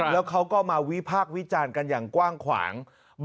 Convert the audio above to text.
แล้วเขาก็มาวิพากษ์วิจารณ์กันอย่างกว้างขวาง